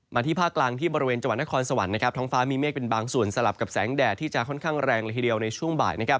ที่ภาคกลางที่บริเวณจังหวัดนครสวรรค์นะครับท้องฟ้ามีเมฆเป็นบางส่วนสลับกับแสงแดดที่จะค่อนข้างแรงละทีเดียวในช่วงบ่ายนะครับ